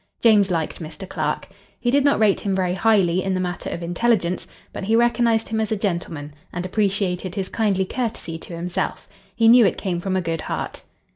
James liked Mr. Clark. He did not rate him very highly in the matter of intelligence; but he recognized him as a gentleman, and appreciated his kindly courtesy to himself. He knew it came from a good heart.